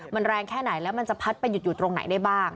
มันแรงแค่ไหนแล้วมันจะพัดไปหยุดอยู่ตรงไหนได้บ้าง